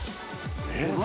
えっ何？